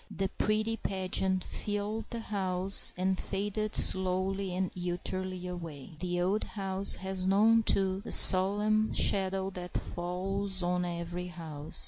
The pretty pageant filled the house, and faded slowly and utterly away. The old house has known, too, the solemn shadow that falls on every house.